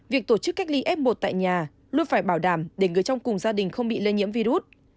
việc tổ chức cách ly f một tại nhà luôn phải bảo đảm để người trong cùng gia đình không bị lây nhiễm virus